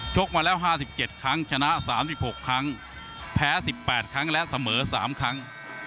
กมาแล้ว๕๗ครั้งชนะ๓๖ครั้งแพ้๑๘ครั้งและเสมอ๓ครั้ง